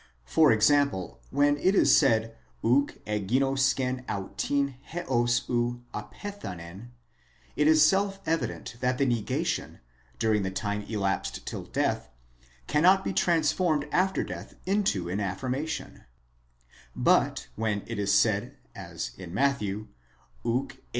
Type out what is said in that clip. '* For example, when it is said οὐκ ἐγίνωσκεν αὐτὴν, ἕως οὗ ἀπέθανεν, it is self evident that the negation, during the time elapsed till death—cannot be transformed after death into an affirmation ; but when it is said, as in Matthew, οὐκ é.